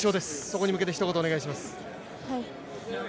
そこに向けてひと言お願いします。